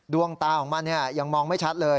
ดวงตาของมันยังมองไม่ชัดเลย